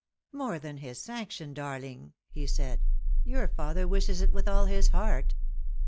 "More than his sanction, darling," he said; "your father wishes it with all his heart."